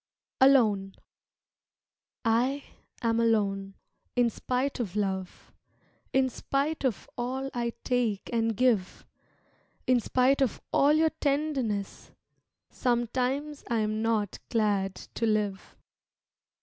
Alone I am alone, in spite of love, In spite of all I take and give In spite of all your tenderness, Sometimes I am not glad to live.